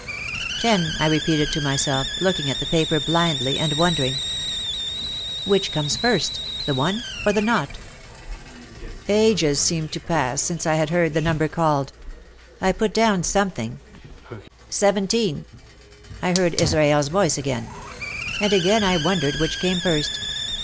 Ten, I repeated to myself, looking at the paper blindly, and wondering, "Which comes first, the one or the nought ?" Ages seemed 222 OUT OF THE SHADOW to pass since I had heard the number called. I put down something. "17" I heard Israel's voice again. And again I wondered which came first.